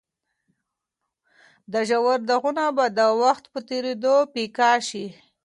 دا ژور داغونه به د وخت په تېرېدو پیکه شي.